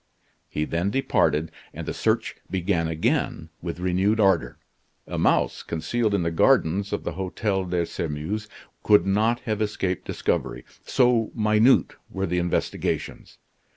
He then departed, and the search began again with renewed ardor. A mouse concealed in the gardens of the Hotel de Sairmeuse could not have escaped discovery, so minute were the investigations.